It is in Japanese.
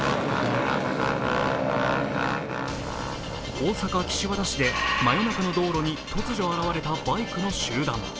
大阪・岸和田市で真夜中の道路に突如、現れたバイクの集団。